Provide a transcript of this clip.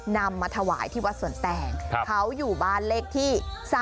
นำมาถวายที่วัดสวนแตงเขาอยู่บ้านเลขที่๓๔